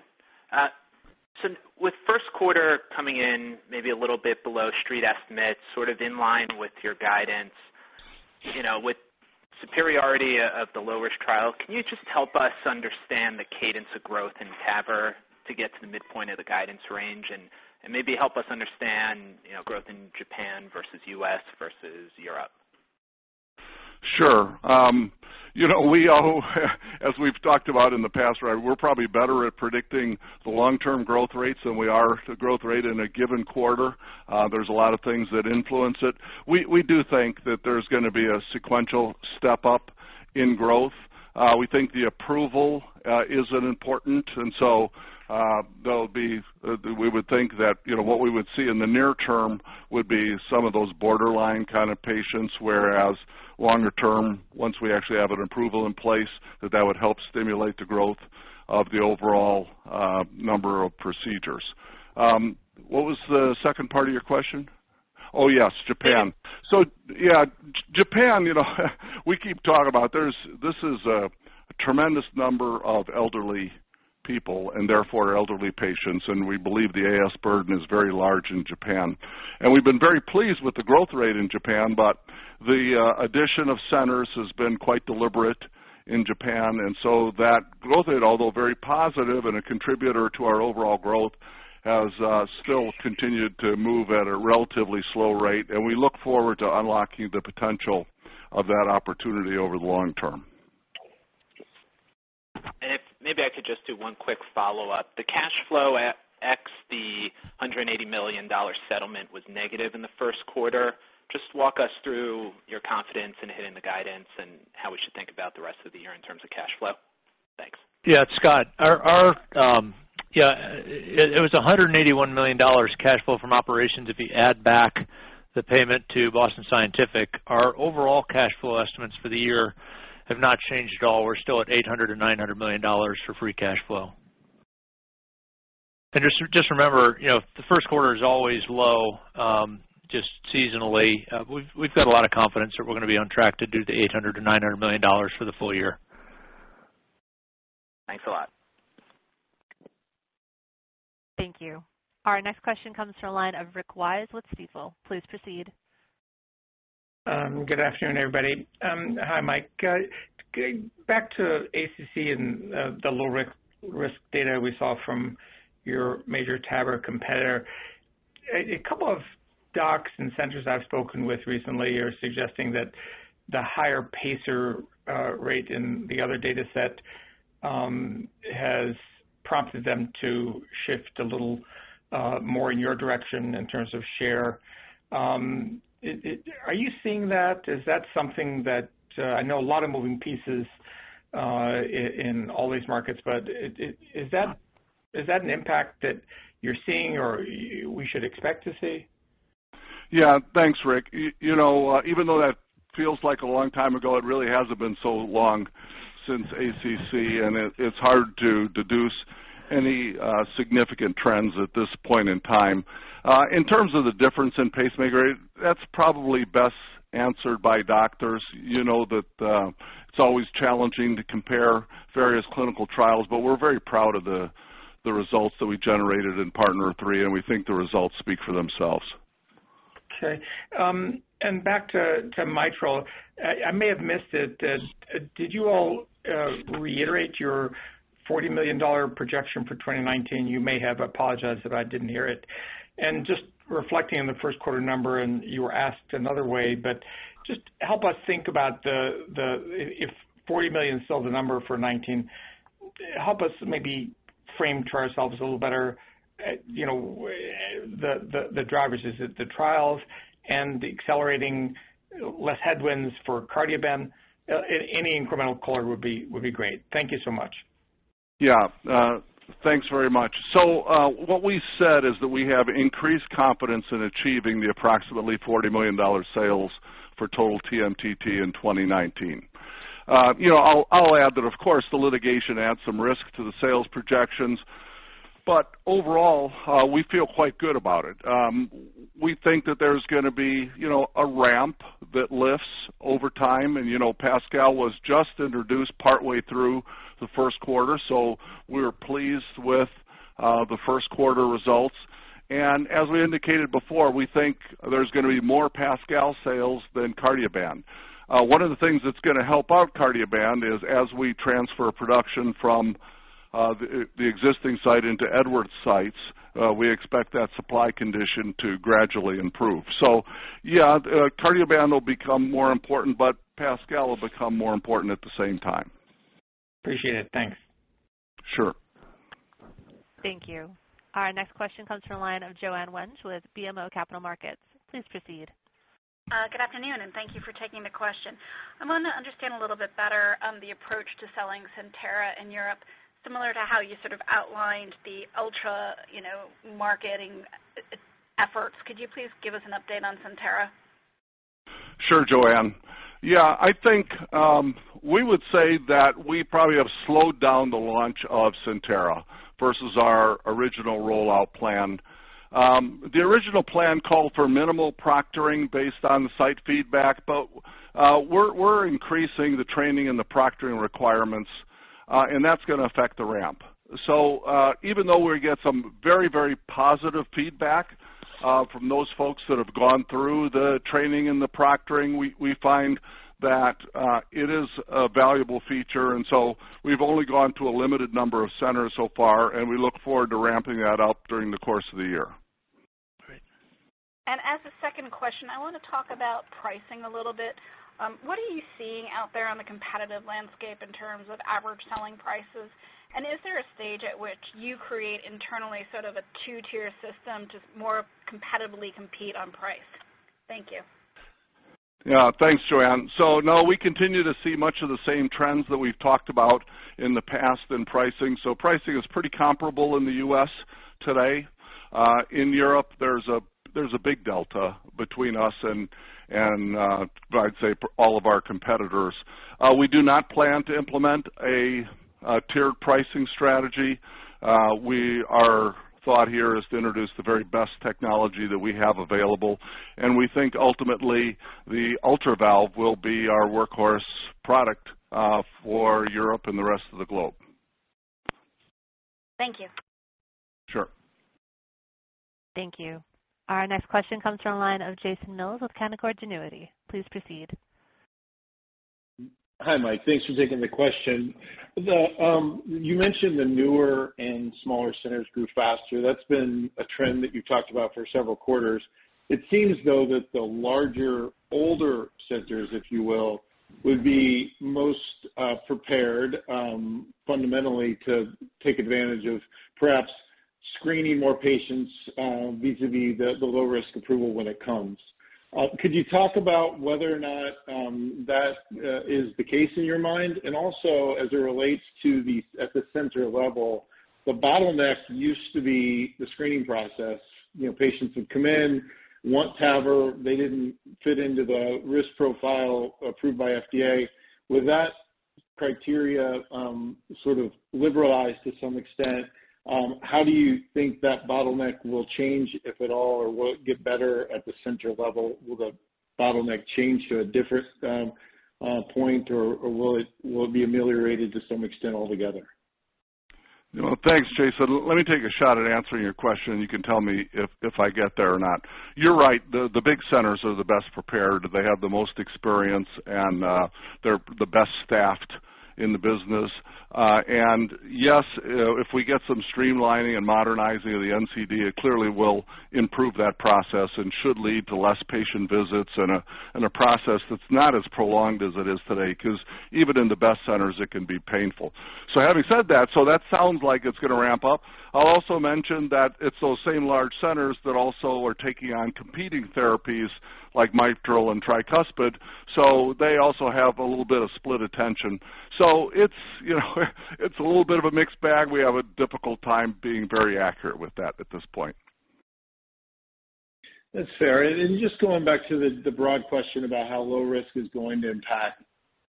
With first quarter coming in maybe a little bit below street estimates, sort of in line with your guidance, with superiority of the low-risk trial, can you just help us understand the cadence of growth in TAVR to get to the midpoint of the guidance range and maybe help us understand growth in Japan versus U.S. versus Europe? Sure. As we've talked about in the past, we're probably better at predicting the long-term growth rates than we are the growth rate in a given quarter. There's a lot of things that influence it. We do think that there's going to be a sequential step up in growth. We think the approval is important. We would think that what we would see in the near term would be some of those borderline kind of patients, whereas longer term, once we actually have an approval in place, that would help stimulate the growth of the overall number of procedures. What was the second part of your question? Oh, yes, Japan. Japan, we keep talking about this. This is a tremendous number of elderly people and therefore elderly patients, and we believe the AS burden is very large in Japan. We've been very pleased with the growth rate in Japan, but the addition of centers has been quite deliberate in Japan, and so that growth rate, although very positive and a contributor to our overall growth, has still continued to move at a relatively slow rate, and we look forward to unlocking the potential of that opportunity over the long term. If maybe I could just do one quick follow-up. The cash flow ex the $180 million settlement was negative in the first quarter. Just walk us through your confidence in hitting the guidance and how we should think about the rest of the year in terms of cash flow. Thanks. It's Scott. It was $181 million cash flow from operations if you add back the payment to Boston Scientific. Our overall cash flow estimates for the year have not changed at all. We're still at $800 million-$900 million for free cash flow. Just remember, the first quarter is always low, just seasonally. We've got a lot of confidence that we're going to be on track to do the $800 million-$900 million for the full year. Thanks a lot. Thank you. Our next question comes from the line of Rick Wise with Stifel. Please proceed. Good afternoon, everybody. Hi, Mike. Back to ACC and the low-risk data we saw from your major TAVR competitor. A couple of docs and centers I've spoken with recently are suggesting that the higher pacer rate in the other dataset has prompted them to shift a little more in your direction in terms of share. Are you seeing that? Is that something that I know a lot of moving pieces in all these markets, but is that an impact that you're seeing or we should expect to see? Thanks, Rick. Even though that feels like a long time ago, it really hasn't been so long since ACC, and it's hard to deduce any significant trends at this point in time. In terms of the difference in pacemaker rate, that's probably best answered by doctors. You know that it's always challenging to compare various clinical trials, but we're very proud of the results that we generated in PARTNER 3, and we think the results speak for themselves. Back to mitral. I may have missed it. Did you all reiterate your $40 million projection for 2019? You may have. I apologize if I didn't hear it. Just reflecting on the first quarter number, you were asked another way, but just help us think about if $40 million is still the number for 2019, help us maybe frame to ourselves a little better the drivers. Is it the trials and the accelerating less headwinds for Cardioband? Any incremental color would be great. Thank you so much. Thanks very much. What we said is that we have increased confidence in achieving the approximately $40 million sales for total TMTT in 2019. I'll add that, of course, the litigation adds some risk to the sales projections. Overall, we feel quite good about it. We think that there's going to be a ramp that lifts over time, and PASCAL was just introduced partway through the first quarter, so we're pleased with the first quarter results. As we indicated before, we think there's going to be more PASCAL sales than Cardioband. One of the things that's going to help out Cardioband is as we transfer production from the existing site into Edwards sites, we expect that supply condition to gradually improve. Cardioband will become more important, but PASCAL will become more important at the same time. Appreciate it. Thanks. Sure. Thank you. Our next question comes from the line of Joanne Wuensch with BMO Capital Markets. Please proceed. Good afternoon, and thank you for taking the question. I want to understand a little bit better the approach to selling CENTERA in Europe, similar to how you sort of outlined the Ultra marketing efforts. Could you please give us an update on CENTERA? Sure, Joanne. Yeah, I think we would say that we probably have slowed down the launch of CENTERA versus our original rollout plan. The original plan called for minimal proctoring based on site feedback, but we're increasing the training and the proctoring requirements, and that's going to affect the ramp. Even though we get some very positive feedback from those folks that have gone through the training and the proctoring, we find that it is a valuable feature. We've only gone to a limited number of centers so far, and we look forward to ramping that up during the course of the year. Great. As a second question, I want to talk about pricing a little bit. What are you seeing out there on the competitive landscape in terms of average selling prices? And is there a stage at which you create internally sort of a two-tier system to more competitively compete on price? Thank you. No, we continue to see much of the same trends that we've talked about in the past in pricing. Pricing is pretty comparable in the U.S. today. In Europe, there's a big delta between us and, I'd say, all of our competitors. We do not plan to implement a tiered pricing strategy. Our thought here is to introduce the very best technology that we have available, and we think ultimately the Ultra Valve will be our workhorse product for Europe and the rest of the globe. Thank you. Sure. Thank you. Our next question comes from the line of Jason Mills with Canaccord Genuity. Please proceed. Hi, Mike. Thanks for taking the question. You mentioned the newer and smaller centers grew faster. That's been a trend that you've talked about for several quarters. It seems, though, that the larger, older centers, if you will, would be most prepared fundamentally to take advantage of perhaps screening more patients vis-a-vis the low-risk approval when it comes. Could you talk about whether or not that is the case in your mind? Also, as it relates to at the center level, the bottleneck used to be the screening process. Patients would come in, want TAVR, they didn't fit into the risk profile approved by FDA. With that criteria sort of liberalized to some extent, how do you think that bottleneck will change, if at all, or will it get better at the center level? Will the bottleneck change to a different point, or will it be ameliorated to some extent altogether? Thanks, Jason. Let me take a shot at answering your question, and you can tell me if I get there or not. You're right. The big centers are the best prepared. They have the most experience, and they're the best staffed in the business. Yes, if we get some streamlining and modernizing of the NCD, it clearly will improve that process and should lead to less patient visits and a process that's not as prolonged as it is today, because even in the best centers, it can be painful. Having said that, so that sounds like it's going to ramp up. I'll also mention that it's those same large centers that also are taking on competing therapies like mitral and tricuspid, so they also have a little bit of split attention. It's a little bit of a mixed bag. We have a difficult time being very accurate with that at this point. That's fair. Just going back to the broad question about how low risk is going to impact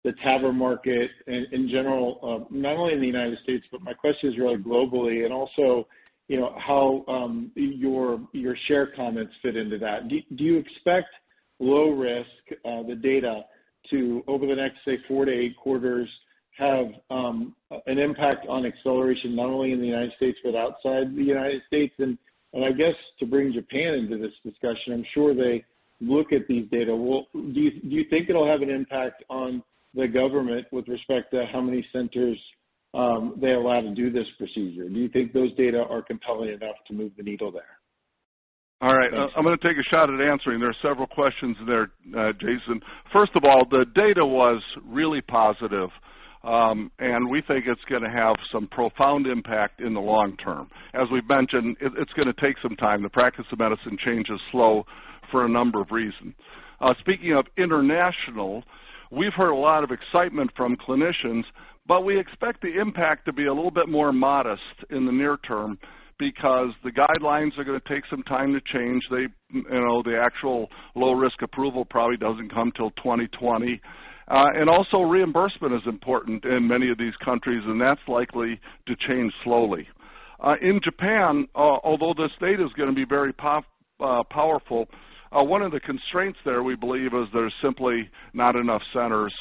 the TAVR market in general, not only in the United States, but my question is really globally and also how your share comments fit into that. Do you expect low risk, the data to, over the next, say, four to eight quarters, have an impact on acceleration, not only in the United States but outside the United States? I guess to bring Japan into this discussion, I'm sure they look at these data. Do you think it'll have an impact on the government with respect to how many centers they allow to do this procedure? Do you think those data are compelling enough to move the needle there? All right. I'm going to take a shot at answering. There are several questions there, Jason. First of all, the data was really positive. We think it's going to have some profound impact in the long term. As we've mentioned, it's going to take some time. The practice of medicine change is slow for a number of reasons. Speaking of international, we've heard a lot of excitement from clinicians. We expect the impact to be a little bit more modest in the near term because the guidelines are going to take some time to change. The actual low-risk approval probably doesn't come till 2020. Also reimbursement is important in many of these countries. That's likely to change slowly. In Japan, although this data is going to be very powerful, one of the constraints there, we believe, is there's simply not enough centers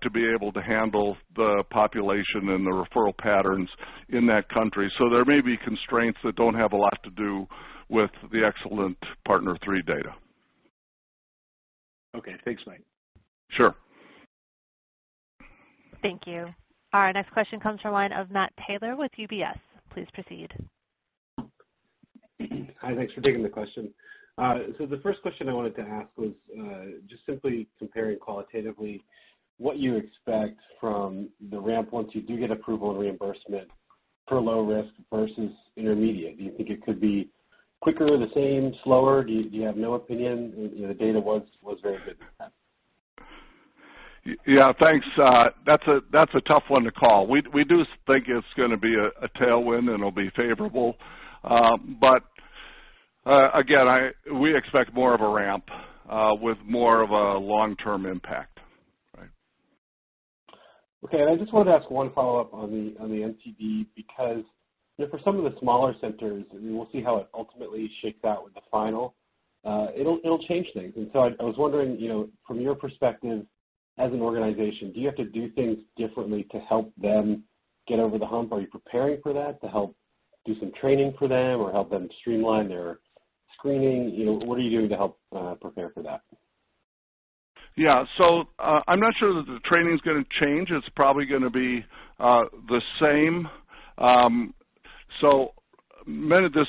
to be able to handle the population and the referral patterns in that country. There may be constraints that don't have a lot to do with the excellent PARTNER 3 data. Okay. Thanks, Mike. Sure. Thank you. Our next question comes from the line of Matt Taylor with UBS. Please proceed. Hi, thanks for taking the question. The first question I wanted to ask was, just simply comparing qualitatively what you expect from the ramp once you do get approval and reimbursement for low-risk versus intermediate. Do you think it could be quicker, the same, slower? Do you have no opinion? The data was very good this time. Yeah, thanks. That's a tough one to call. We do think it's going to be a tailwind, and it'll be favorable. Again, we expect more of a ramp with more of a long-term impact. Okay. I just wanted to ask one follow-up on the NCD because for some of the smaller centers, we will see how it ultimately shakes out with the final. It'll change things. I was wondering, from your perspective as an organization, do you have to do things differently to help them get over the hump? Are you preparing for that to help do some training for them or help them streamline their screening? What are you doing to help prepare for that? Yeah. I'm not sure that the training's going to change. It's probably going to be the same. The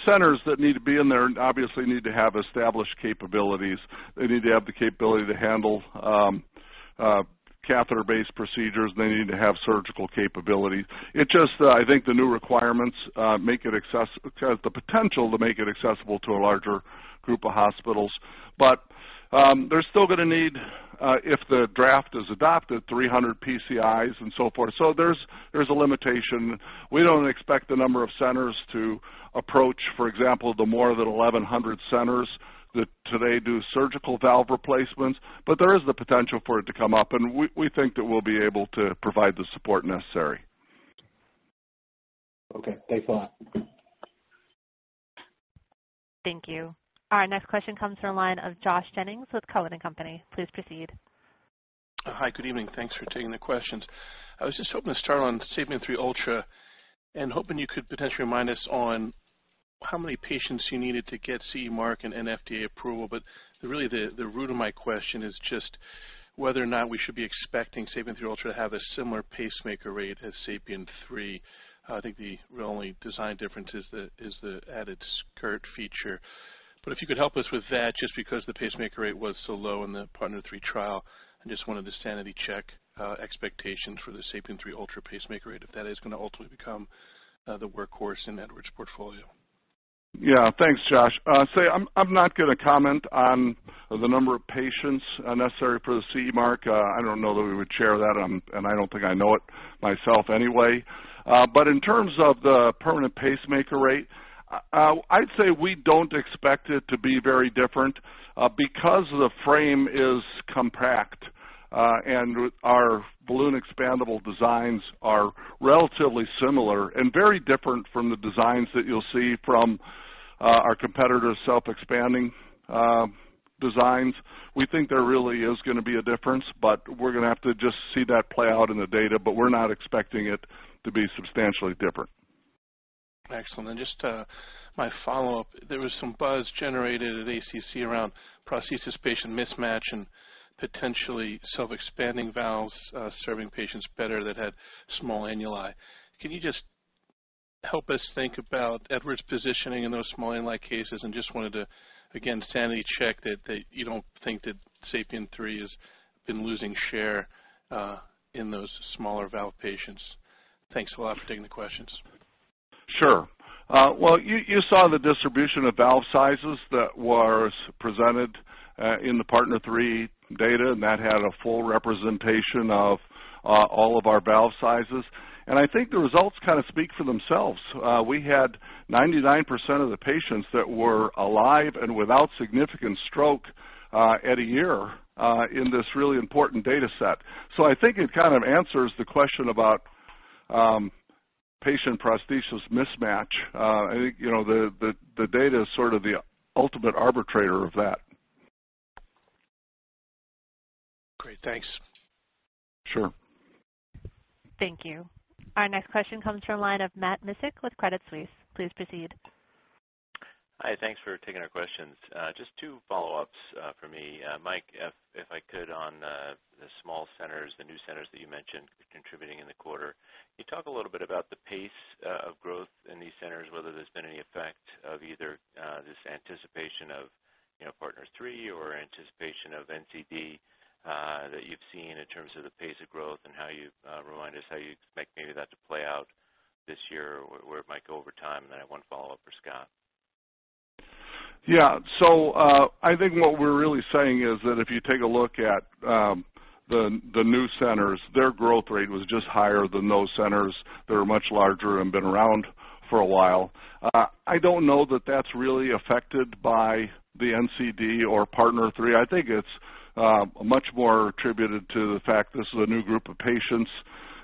centers that need to be in there obviously need to have established capabilities. They need to have the capability to handle catheter-based procedures. They need to have surgical capabilities. I think the new requirements have the potential to make it accessible to a larger group of hospitals. They're still going to need, if the draft is adopted, 300 PCIs and so forth. There's a limitation. We don't expect the number of centers to approach, for example, the more than 1,100 centers that today do surgical valve replacements. There is the potential for it to come up, and we think that we'll be able to provide the support necessary. Okay. Thanks a lot. Thank you. Our next question comes from the line of Josh Jennings with Cowen and Company. Please proceed. Hi, good evening. Thanks for taking the questions. I was just hoping to start on SAPIEN 3 Ultra and hoping you could potentially remind us on how many patients you needed to get CE mark and FDA approval. Really the root of my question is just whether or not we should be expecting SAPIEN 3 Ultra to have a similar pacemaker rate as SAPIEN 3. I think the only design difference is the added skirt feature. If you could help us with that, just because the pacemaker rate was so low in the PARTNER 3 trial. I just wanted to sanity check expectations for the SAPIEN 3 Ultra pacemaker rate, if that is going to ultimately become the workhorse in Edwards' portfolio. Yeah. Thanks, Josh. I'm not going to comment on the number of patients necessary for the CE mark. I don't know that we would share that, and I don't think I know it myself anyway. In terms of the permanent pacemaker rate, I'd say we don't expect it to be very different because the frame is compact, and our balloon-expandable designs are relatively similar and very different from the designs that you'll see from our competitors' self-expanding designs. We think there really is going to be a difference, but we're going to have to just see that play out in the data. We're not expecting it to be substantially different. Excellent. Just my follow-up, there was some buzz generated at ACC around prosthesis-patient mismatch and potentially self-expanding valves serving patients better that had small annuli. Can you just help us think about Edwards' positioning in those small annuli cases? Just wanted to, again, sanity check that you don't think that SAPIEN 3 has been losing share in those smaller valve patients. Thanks a lot for taking the questions. Sure. You saw the distribution of valve sizes that was presented in the PARTNER 3 data, that had a full representation of all of our valve sizes. I think the results kind of speak for themselves. We had 99% of the patients that were alive and without significant stroke at a year in this really important data set. I think it kind of answers the question about patient-prosthesis mismatch. I think the data is sort of the ultimate arbitrator of that. Great. Thanks. Sure. Thank you. Our next question comes from the line of Matt Miksic with Credit Suisse. Please proceed. Hi. Thanks for taking our questions. Just two follow-ups from me. Mike, if I could, on the small centers, the new centers that you mentioned contributing in the quarter. Can you talk a little bit about the pace of growth in these centers, whether there's been any effect of either this anticipation of PARTNER 3 or anticipation of NCD that you've seen in terms of the pace of growth and remind us how you expect maybe that to play out this year or where it might go over time? I have one follow-up for Scott. Yeah. I think what we're really saying is that if you take a look at the new centers, their growth rate was just higher than those centers that are much larger and been around for a while. I don't know that that's really affected by the NCD or PARTNER 3. I think it's much more attributed to the fact this is a new group of patients,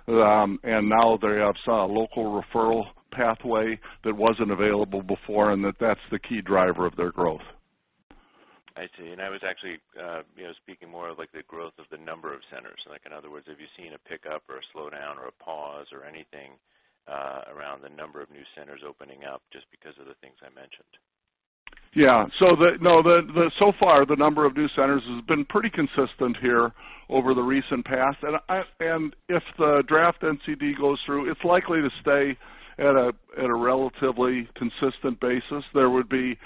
and now they have a local referral pathway that wasn't available before, and that's the key driver of their growth. I see. I was actually speaking more of the growth of the number of centers. In other words, have you seen a pickup or a slowdown or a pause or anything around the number of new centers opening up just because of the things I mentioned? Yeah. So far, the number of new centers has been pretty consistent here over the recent past. If the draft NCD goes through, it's likely to stay at a relatively consistent basis. There would be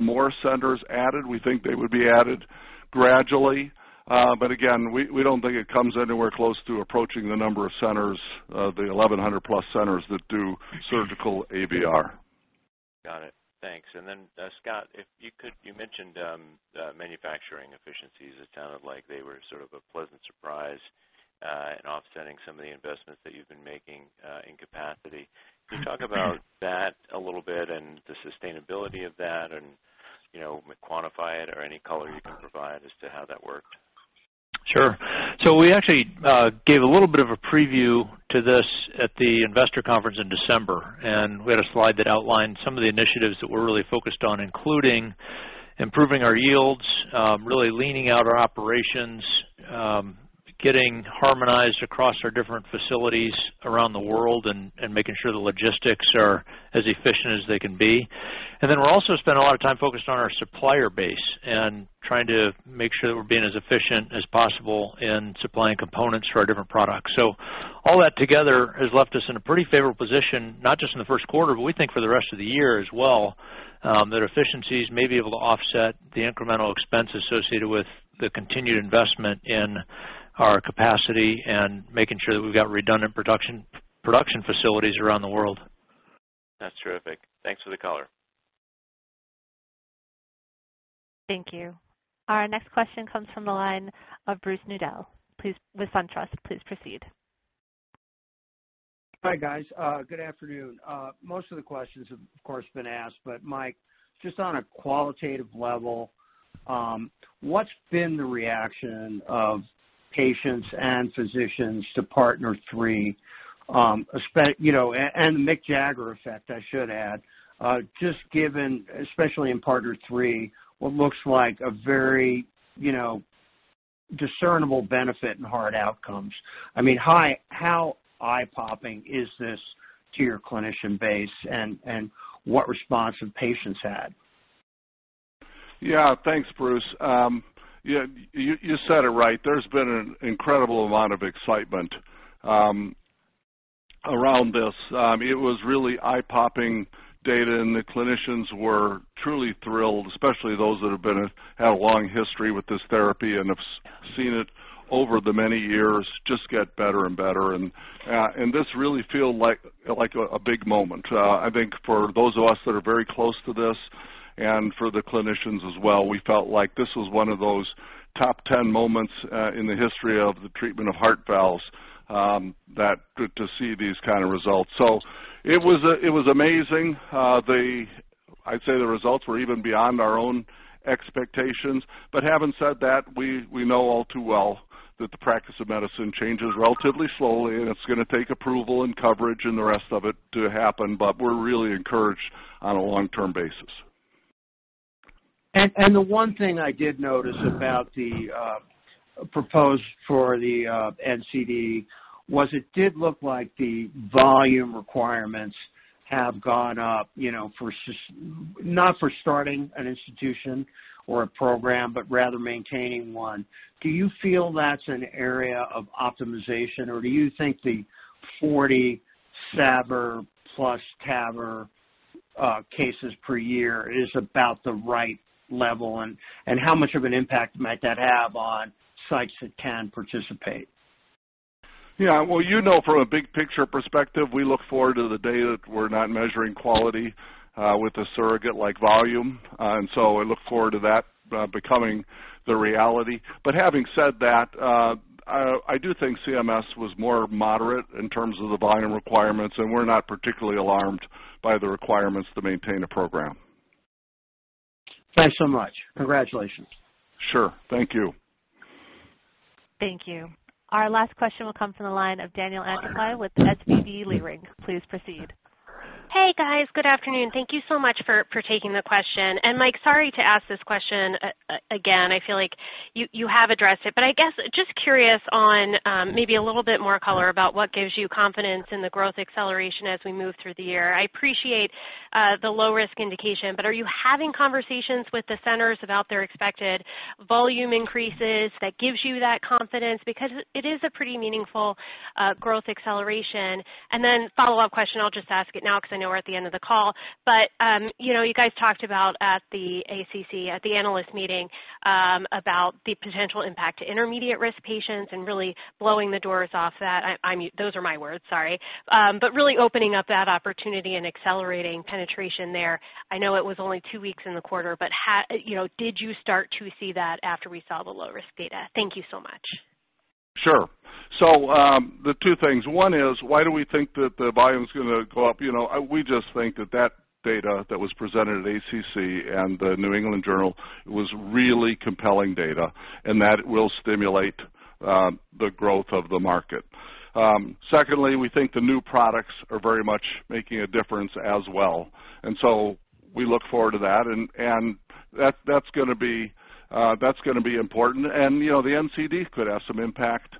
more centers added. We think they would be added gradually. Again, we don't think it comes anywhere close to approaching the number of centers, the 1,100-plus centers that do surgical AVR. Got it. Thanks. Scott Ullem, you mentioned manufacturing efficiencies. It sounded like they were sort of a pleasant surprise in offsetting some of the investments that you've been making in capacity. Can you talk about that a little bit and the sustainability of that and quantify it or any color you can provide as to how that worked? Sure. We actually gave a little bit of a preview to this at the investor conference in December, we had a slide that outlined some of the initiatives that we're really focused on, including improving our yields, really leaning out our operations, getting harmonized across our different facilities around the world, making sure the logistics are as efficient as they can be. We're also spent a lot of time focused on our supplier base and trying to make sure that we're being as efficient as possible in supplying components for our different products. All that together has left us in a pretty favorable position, not just in the first quarter, but we think for the rest of the year as well, that efficiencies may be able to offset the incremental expense associated with the continued investment in our capacity and making sure that we've got redundant production facilities around the world. That's terrific. Thanks for the color. Thank you. Our next question comes from the line of Bruce Nudell with SunTrust. Please proceed. Hi, guys. Good afternoon. Most of the questions have, of course, been asked. Mike, just on a qualitative level, what's been the reaction of patients and physicians to PARTNER 3? The Mick Jagger effect, I should add, just given, especially in PARTNER 3, what looks like a very discernible benefit in hard outcomes. How eye-popping is this to your clinician base, and what response have patients had? Yeah. Thanks, Bruce. You said it right. There's been an incredible amount of excitement around this. It was really eye-popping data, and the clinicians were truly thrilled, especially those that have had a long history with this therapy and have seen it over the many years just get better and better. This really feel like a big moment. I think for those of us that are very close to this and for the clinicians as well, we felt like this was one of those top 10 moments in the history of the treatment of heart valves, that good to see these kind of results. It was amazing. I'd say the results were even beyond our own expectations. Having said that, we know all too well that the practice of medicine changes relatively slowly, and it's going to take approval and coverage and the rest of it to happen, but we're really encouraged on a long-term basis. The one thing I did notice about the proposed for the NCD was it did look like the volume requirements have gone up, not for starting an institution or a program, but rather maintaining one. Do you feel that's an area of optimization, or do you think the 40 SAVR plus TAVR cases per year is about the right level, and how much of an impact might that have on sites that can participate? Yeah. Well, you know from a big picture perspective, we look forward to the day that we're not measuring quality with a surrogate like volume. So I look forward to that becoming the reality. Having said that, I do think CMS was more moderate in terms of the volume requirements, and we're not particularly alarmed by the requirements to maintain a program. Thanks so much. Congratulations. Sure. Thank you. Thank you. Our last question will come from the line of Danielle Antalffy with SVB Leerink. Please proceed. Hey, guys. Good afternoon. Thank you so much for taking the question. Mike, sorry to ask this question again. I feel like you have addressed it, but I guess just curious on maybe a little bit more color about what gives you confidence in the growth acceleration as we move through the year. I appreciate the low-risk indication, but are you having conversations with the centers about their expected volume increases that gives you that confidence? Because it is a pretty meaningful growth acceleration. Follow-up question, I'll just ask it now because I know we're at the end of the call, but you guys talked about at the ACC, at the analyst meeting, about the potential impact to intermediate risk patients and really blowing the doors off that. Those are my words, sorry. Really opening up that opportunity and accelerating penetration there. I know it was only two weeks in the quarter, did you start to see that after we saw the low-risk data? Thank you so much. Sure. The two things. One is, why do we think that the volume's going to go up? We just think that that data that was presented at ACC and The New England Journal was really compelling data, that will stimulate the growth of the market. Secondly, we think the new products are very much making a difference as well, we look forward to that, and that's going to be important. The NCD could have some impact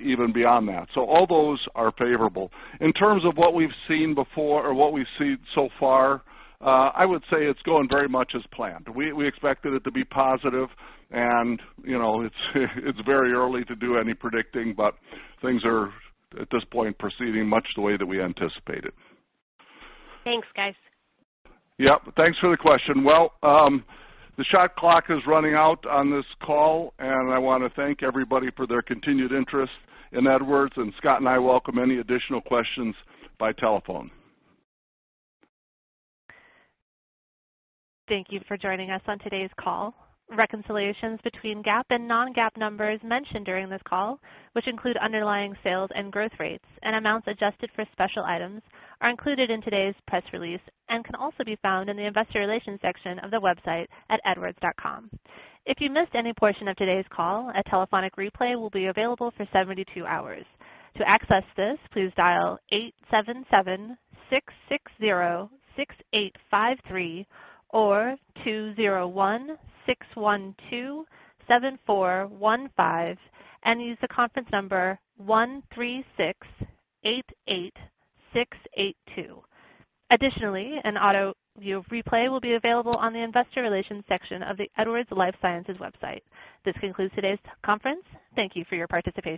even beyond that. All those are favorable. In terms of what we've seen before or what we've seen so far, I would say it's going very much as planned. We expected it to be positive and it's very early to do any predicting, but things are, at this point, proceeding much the way that we anticipated. Thanks, guys. Yep, thanks for the question. Well, the shot clock is running out on this call, and I want to thank everybody for their continued interest in Edwards, and Scott and I welcome any additional questions by telephone. Thank you for joining us on today's call. Reconciliations between GAAP and non-GAAP numbers mentioned during this call, which include underlying sales and growth rates and amounts adjusted for special items, are included in today's press release and can also be found in the investor relations section of the website at edwards.com. If you missed any portion of today's call, a telephonic replay will be available for 72 hours. To access this, please dial 877-660-6853 or 201-612-7415 and use the conference number 13688682. Additionally, an auto view replay will be available on the investor relations section of the Edwards Lifesciences website. This concludes today's conference. Thank you for your participation